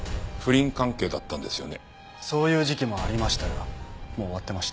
そういう時期もありましたがもう終わってました。